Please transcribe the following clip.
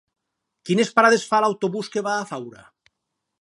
Quines parades fa l'autobús que va a Faura?